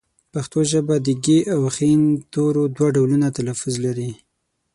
پښتو ژبه د ږ او ښ تورو دوه ډولونه تلفظ لري